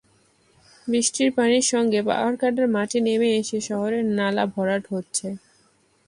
বৃষ্টির পানির সঙ্গে পাহাড় কাটার মাটি নেমে এসে শহরের নালা ভরাট হচ্ছে।